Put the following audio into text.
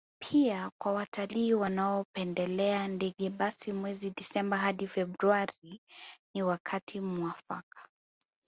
Pia kwa watalii wanaopendelea ndege basi mwezi Disemba hadi Februari ni wakati muafaka